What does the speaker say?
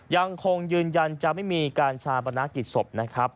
ยังคงยืนยันจะไม่มีการชาปนากิจศพนะครับ